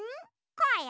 こうよ。